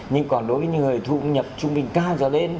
nhưng còn đối với những người thu nhập trung bình cao trở lên